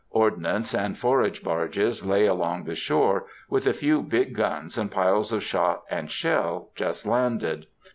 Ordnance and forage barges lay along the shore, with a few big guns, and piles of shot and shell, just landed.